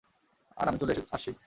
আর আমি চলে আসছি।